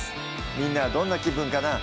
みんなはどんな気分かなぁ